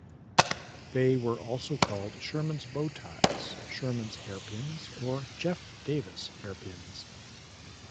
They were also called Sherman's bow ties, Sherman's hairpins or Jeff Davis hairpins.